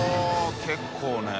結構ね。